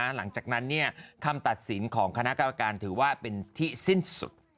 หลังจากนั้นคำตัดสินของคณะกรรมการถือว่าเป็นที่สิ้นสุด